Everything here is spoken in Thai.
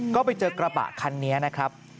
ก็ไปเจอกระบะคันนี้นะครับ